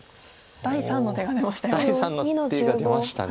第３の手が出ました。